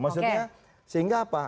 maksudnya sehingga apa